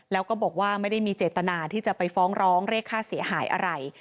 แล้วก็บอกว่าไม่ได้มีเจตนาที่จะไปฟ้องร้องเรียกค่าเสียหายอะไร